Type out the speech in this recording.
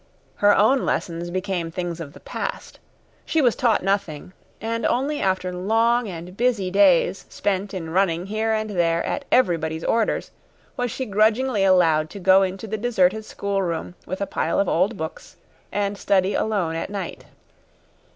Her own lessons became things of the past. She was taught nothing, and only after long and busy days spent in running here and there at everybody's orders was she grudgingly allowed to go into the deserted schoolroom, with a pile of old books, and study alone at night.